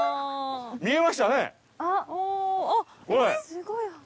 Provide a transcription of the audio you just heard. すごい。